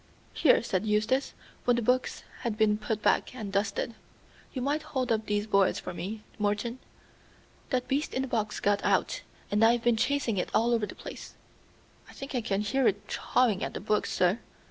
"Here," said Eustace, when the books had been put back and dusted, "you might hold up these boards for me, Morton. That beast in the box got out, and I've been chasing it all over the place." "I think I can hear it chawing at the books, sir.